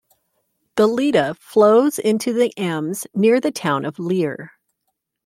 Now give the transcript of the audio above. The Leda flows into the Ems near the town of Leer.